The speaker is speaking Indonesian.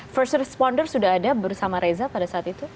first responder sudah ada bersama reza pada saat itu